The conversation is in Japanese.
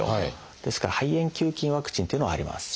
ですから肺炎球菌ワクチンっていうのはあります。